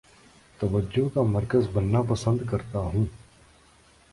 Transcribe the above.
توجہ کا مرکز بننا پسند کرتا ہوں